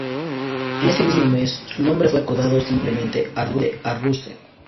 En ese mismo mes, su nombre fue acortado simplemente a Rusev.